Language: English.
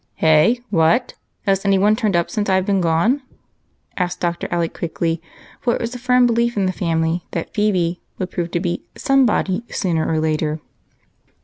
" Hey ? what ? has any one turned up since I 've been gone?" asked Dr. Alec quickly, for it was a firm belief in the family that Phebe would prove to be " somebody " sooner or later.